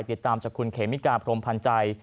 ติดตามจากคุณเขมิกายพรหมพันจัย